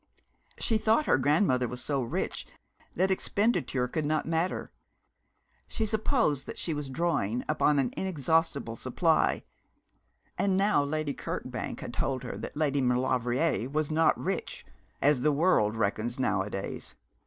She thought her grandmother was so rich that expenditure could not matter. She supposed that she was drawing upon an inexhaustible supply. And now Lady Kirkbank had told her that Lady Maulevrier was not rich, as the world reckons nowadays.